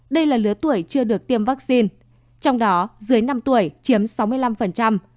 đây là lứa tuổi chưa được tiêm vaccine trong đó dưới năm tuổi chiếm sáu mươi năm